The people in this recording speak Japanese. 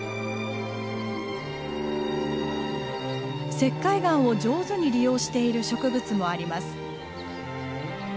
石灰岩を上手に利用している植物もあります。